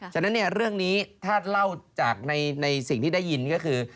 ฉะนั้นเนี่ยเรื่องนี้ถ้าเล่าจากในสิ่งที่ได้ยินก็คือ